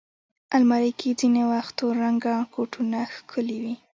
الماري کې ځینې وخت تور رنګه کوټونه ښکلي وي